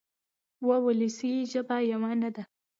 وولسي ژبه یوه نه ده.